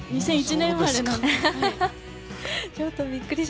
２００１年生まれなので。